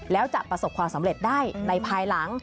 แล้วจะประสบความสำเร็จได้ในภายหลัง